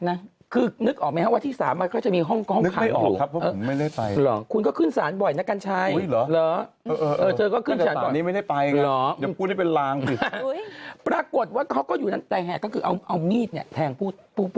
แต่ว่าเค้าก็อยู่ตรงนั้นด์ท้ายแหกก็คือเอามีดแทงผู้